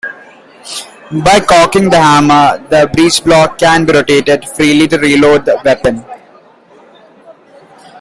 By cocking the hammer, the breechblock can be rotated freely to reload the weapon.